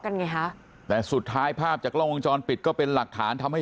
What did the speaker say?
ไงฮะแต่สุดท้ายภาพจากกล้องวงจรปิดก็เป็นหลักฐานทำให้